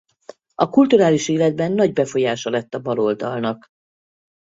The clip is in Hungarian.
A kulturális életben nagy befolyása lett a baloldalnak.